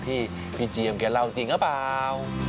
ที่พี่เจียมแกเล่าจริงหรือเปล่า